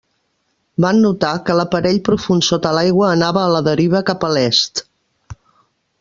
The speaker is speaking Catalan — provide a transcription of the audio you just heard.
Van notar que l'aparell profund sota l'aigua anava a la deriva cap a l'est.